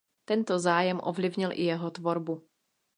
Tento zájem ovlivnil i jeho tvorbu.